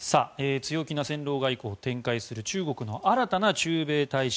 強気な戦狼外交を展開する中国の新たな駐米大使